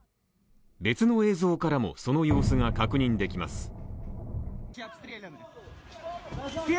別の映像からも、その様子が確認できます。